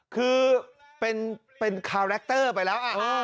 คือเป็นคาแรคเตอร์ไปแล้ว